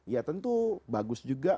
ya tentu bagus juga